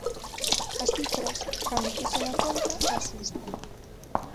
As cifras, cando fixen a conta, asustan.